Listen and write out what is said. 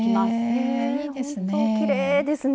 へえいいですね！